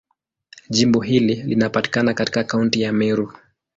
Jimbo hili linapatikana katika Kaunti ya Meru.